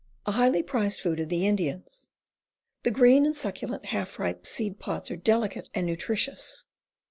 A highly prized food of the Indians. The green and succulent half ripe seed pods are delicate and nutritious.